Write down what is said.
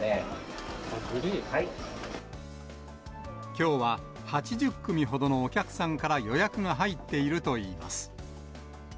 きょうは８０組ほどのお客さんから予約が入っているといいます。